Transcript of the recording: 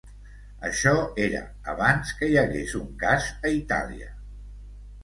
Això era abans que hi hagués un cas a Itàlia.